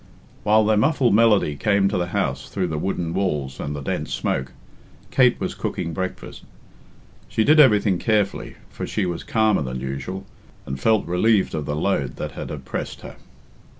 While their muffled melody came to the house through the wooden walls and the dense smoke, Kate was cooking breakfast. She did everything carefully, for she was calmer than usual, and felt relieved of the load that had oppressed her.